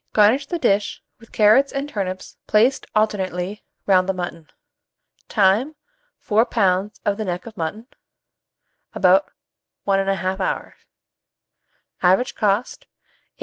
Garnish the dish with carrots and turnips placed alternately round the mutton. Time. 4 lbs. of the neck of mutton, about 1 1/2 hour. Average cost, 8 1/2 d.